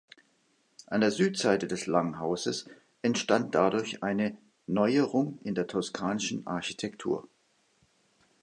An der Südseite des Langhauses entstand dadurch eine "Neuerung in der toskanischen Architektur".